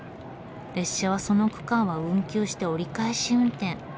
列車はその区間は運休して折り返し運転。